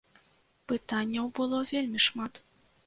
Пытанняў было вельмі шмат.